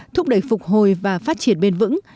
thúc đẩy phục hồi và phát triển bền vững